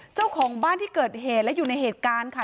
เจ้าของบ้านที่เกิดเหตุและอยู่ในเหตุการณ์ค่ะ